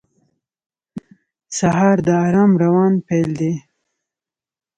سهار د آرام روان پیل دی.